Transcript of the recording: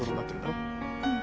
うん。